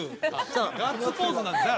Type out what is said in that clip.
そうガッツポーズなんですね